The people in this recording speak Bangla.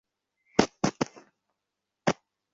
মাসে একদিন তিনি ঘর থেকে বাইরে আসেন না।